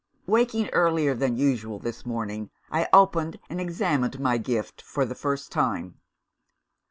Waking earlier than usual this morning, I opened and examined my gift for the first time.